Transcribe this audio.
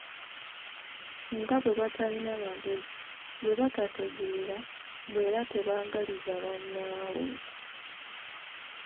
Nga bwe batalina magezi, bwe batategeera, mbu era tebaagaliza bannaabwe.